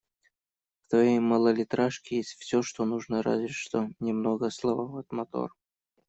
В твоей малолитражке есть всё, что нужно, разве что немного слабоват мотор.